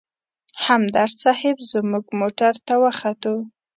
همدرد صیب زموږ موټر ته وختو.